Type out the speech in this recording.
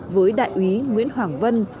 với đại úy nguyễn hoàng vân